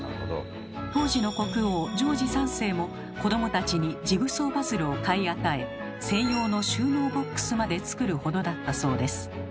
当時の国王ジョージ３世も子どもたちにジグソーパズルを買い与え専用の収納ボックスまで作るほどだったそうです。